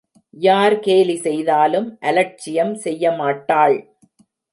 யார் கேலி செய்தாலும் அலட்சியம் செய்யமாட்டாள்.